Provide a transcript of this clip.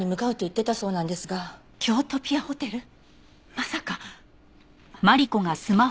まさか。